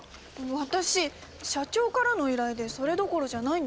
私社長からの依頼でそれどころじゃないんですけど。